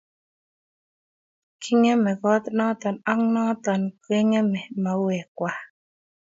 kingemee kot noto ak noto kengemet mauwek kwai